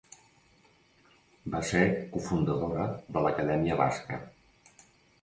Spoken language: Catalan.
Va ser cofundador de l'Acadèmia Basca.